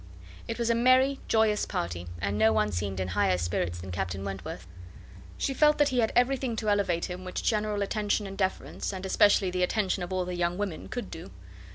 It was a merry, joyous party, and no one seemed in higher spirits than Captain Wentworth. She felt that he had every thing to elevate him which general attention and deference, and especially the attention of all the young women, could do.